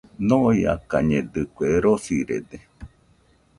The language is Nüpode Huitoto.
Ñoiakañedɨkue, rosirede.